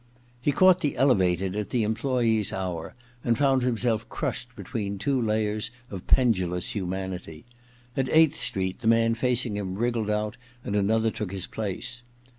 He caught the * elevated' at the employes* hour, and found himself crushed between two layers of pendulous humanity. At Eighth Street the man facing him wriggled out, and another took his place.